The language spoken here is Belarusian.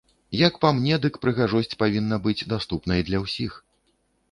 Як па мне, дык прыгажосць павінна быць даступнай для ўсіх.